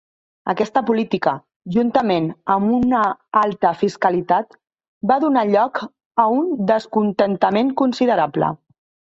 Aquesta política, juntament amb una alta fiscalitat, va donar lloc a un descontentament considerable.